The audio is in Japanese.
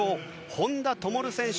本多灯選手